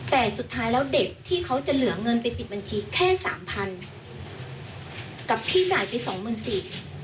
แต่สุดท้ายแล้วเด็กที่เขาจะเหลือเงินไปปิดบัญชีแค่สามพันกับพี่จ่ายไปสองหมื่นสี่